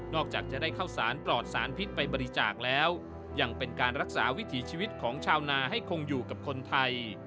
จากจะได้เข้าสารปลอดสารพิษไปบริจาคแล้วยังเป็นการรักษาวิถีชีวิตของชาวนาให้คงอยู่กับคนไทย